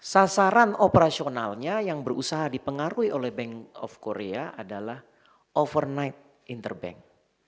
sasaran operasionalnya yang berusaha dipengaruhi oleh bank of korea adalah overnight inter bank